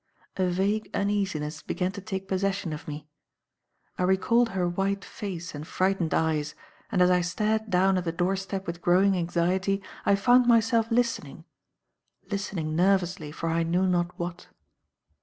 A vague uneasiness began to take possession of me. I recalled her white face and frightened eyes, and as I stared down at the door step with growing anxiety, I found myself listening listening nervously for I knew not what.